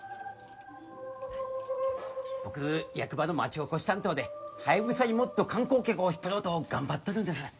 僕役場の町おこし担当でハヤブサにもっと観光客を引っ張ろうと頑張っとるんです。